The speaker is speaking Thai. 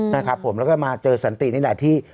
นะครับผมแล้วก็มาเจอสันตินี่แหละที่